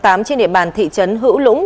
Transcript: trên địa bàn thị trấn hữu lũng